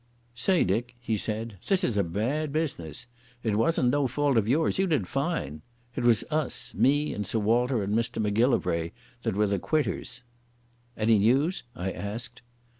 "Say, Dick," he said, "this is a bad business. It wasn't no fault of yours. You did fine. It was us—me and Sir Walter and Mr Macgillivray that were the quitters." "Any news?" I asked.